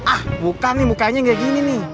ah bukan nih mukanya nggak gini nih